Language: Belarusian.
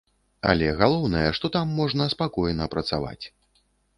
Але галоўнае, што там можна спакойна працаваць.